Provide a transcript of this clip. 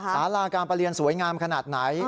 สาราการประเรียนสวยงามขนาดไหน